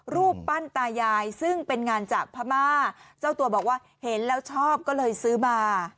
รูปปั้นตายายซึ่งเป็นงานจากพม่าเจ้าตัวบอกว่าเห็นแล้วชอบก็เลยซื้อมา